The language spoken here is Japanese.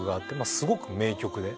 すごく名曲で。